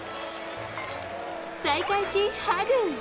再会し、ハグ。